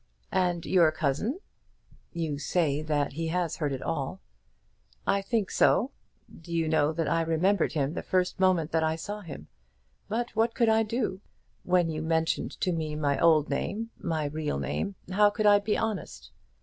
"And your cousin?" "You say that he has heard it all." "I think so. Do you know that I remembered him the first moment that I saw him. But what could I do? When you mentioned to me my old name, my real name, how could I be honest?